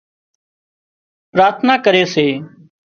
پراٿنا ڪري سي